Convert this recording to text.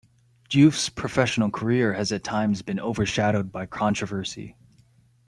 Diouf's professional career has at times been overshadowed by controversy.